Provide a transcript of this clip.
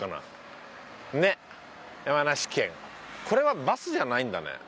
これはバスじゃないんだね。